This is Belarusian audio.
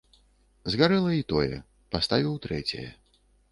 Згарэла і тое, паставіў трэцяе.